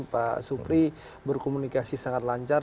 pak supri berkomunikasi sangat lancar